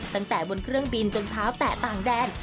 ตั้งแต่บนเครื่องบินจนเท้าแตะต่างแดน